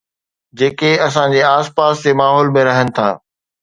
جيڪي اسان جي آس پاس جي ماحول ۾ رهن ٿا